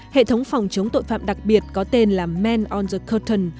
hệ thống phòng chống tội phạm đặc biệt có tên là men on the curtain